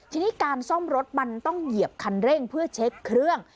ทีนี้การซ่อมรถมันต้องเหยียบคันเร่งเพื่อเช็คเครื่อง